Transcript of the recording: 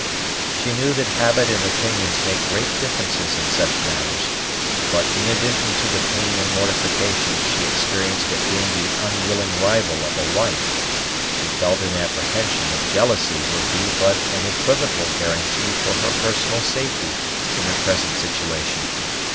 She knew that habit and opinions made great differences in such matters; but, in addition to the pain and mortification she experienced at being the unwilling rival of a wife, she felt an apprehension that jealousy would be but an equivocal guarantee for her personal safety in her present situation.